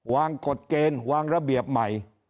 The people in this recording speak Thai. กฎเกณฑ์วางระเบียบใหม่